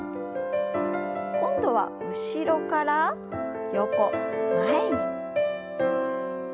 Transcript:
今度は後ろから横前に。